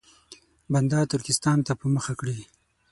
بنده ترکستان ته په مخه کړي.